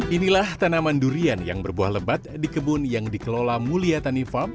inilah tanaman durian yang berbuah lebat di kebun yang dikelola mulia tani farm